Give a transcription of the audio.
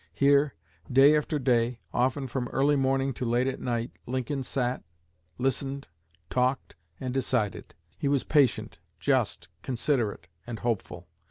Here, day after day, often from early morning to late at night, Lincoln sat, listened, talked, and decided. He was patient, just, considerate, and hopeful.